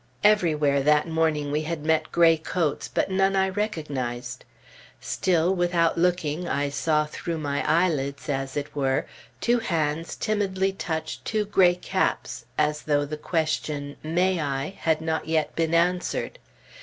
Everywhere that morning we had met gray coats, but none that I recognized. Still, without looking, I saw through my eyelids, as it were, two hands timidly touch two gray caps, as though the question "May I?" had not yet been answered.